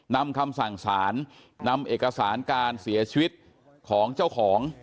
นำคำสั่งสารนำเอกสารการเสียชีวิตของเจ้าของ